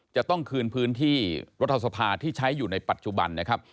จะต้องคืนพื้นที่รัฐสภาที่ใช้อยู่ในปัจจุบันนะครับ